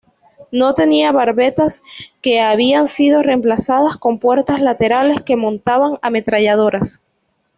No tenía barbetas, que habían sido reemplazadas con puertas laterales que montaban ametralladoras.